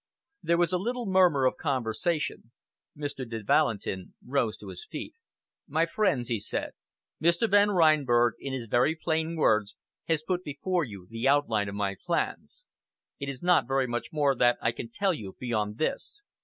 There was a little murmur of conversation. Mr. de Valentin rose to his feet. "My friends," he said, "Mr. Van Reinberg in his very plain words has put before you the outline of my plans. It is not very much more that I can tell you beyond this.